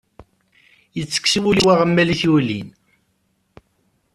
Itekkes i wul-iw aɣmal i t-yulin.